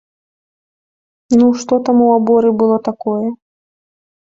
Ну, што там у аборы было такое?